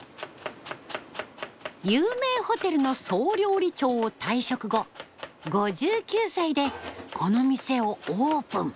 有名ホテルの総料理長を退職後５９歳でこの店をオープン。